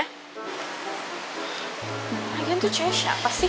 lagian tuh cewek siapa sih